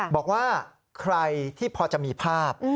บอกว่าใครที่พอจะมีภาพ